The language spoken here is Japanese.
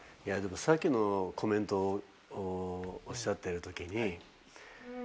さっきのコメントおっしゃってるときに。